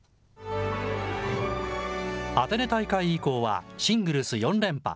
アテネ大会以降は、シングルス４連覇。